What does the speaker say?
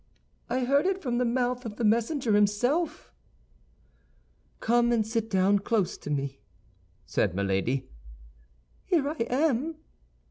"I heard it from the mouth of the messenger himself." "Come and sit down close to me," said Milady. "Here I am."